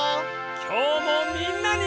きょうもみんなに。